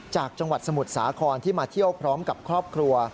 จากจังหวัดสมุทรสาครที่มาเที่ยวพร้อมกับครอบครัว